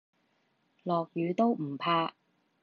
落雨都唔怕